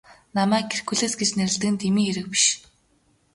Намайг Геркулес гэж нэрлэдэг нь дэмий хэрэг биш.